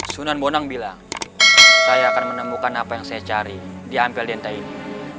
sunan bonang bilang saya akan menemukan apa yang saya cari di ampel denta ini